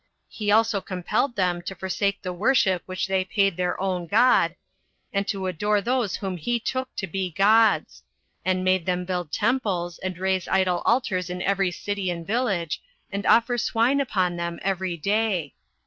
He also compelled them to forsake the worship which they paid their own God, and to adore those whom he took to be gods; and made them build temples, and raise idol altars in every city and village, and offer swine upon them every day.